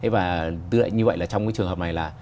và như vậy là trong cái trường hợp này là